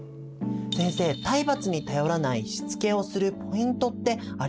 先生体罰に頼らないしつけをするポイントってありますか？